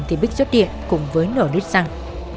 thì bích xuất hiện cùng với nổ lít xăng